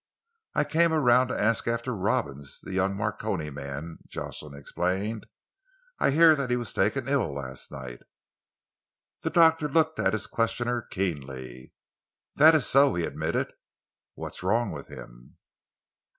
"I came around to ask after Robins, the young Marconi man," Jocelyn explained. "I hear that he was taken ill last night." The doctor looked at his questioner keenly. "That is so," he admitted. "What's wrong with him?"